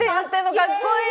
かっこいい。